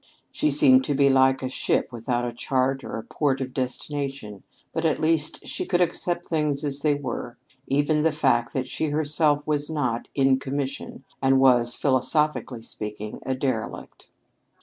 She seemed to be like a ship without a chart or a port of destination. But at least she could accept things as they were even the fact that she herself was not "in commission," and was, philosophically speaking, a derelict.